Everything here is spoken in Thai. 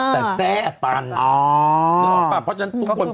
แต่แทร่ตัน